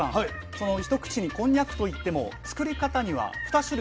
その一口にこんにゃくといっても作り方には二種類あるんです。